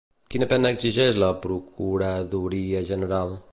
Quina pena exigeix la procuradoria general?